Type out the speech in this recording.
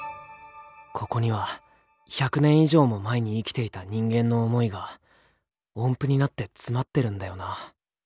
「ここには１００年以上も前に生きていた人間の想いが音符になって詰まってるんだよな」。